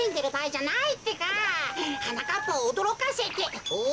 はなかっぱをおどろかせておっ？